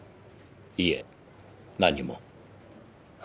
いえ何も。